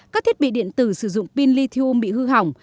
các thiết bị điện tử sử dụng pin lithium bị hư hỏng